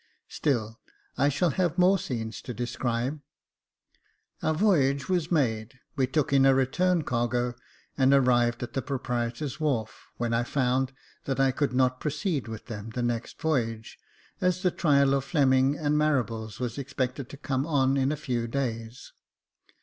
Still, I shall have more scenes to describe. Our voyage was made, we took in a return cargo, and arrived at the proprietor's wharf, when I found that I could not pro ceed with them the next voyage, as the trial of Fleming and Marables was expected to come on in a few days.